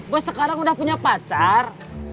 boss sekarang sudah punya pacar